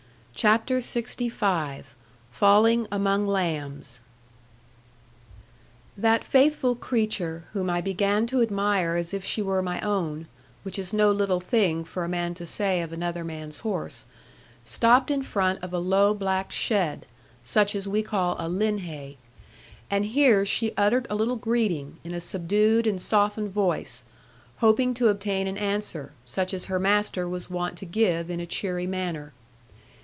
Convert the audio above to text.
CHAPTER LXV FALLING AMONG LAMBS That faithful creature, whom I began to admire as if she were my own (which is no little thing for a man to say of another man's horse), stopped in front of a low black shed, such as we call a 'linhay.' And here she uttered a little greeting, in a subdued and softened voice, hoping to obtain an answer, such as her master was wont to give in a cheery manner.